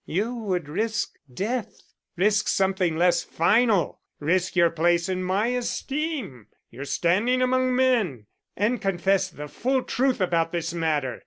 You would risk death. Risk something less final; risk your place in my esteem, your standing among men, and confess the full truth about this matter.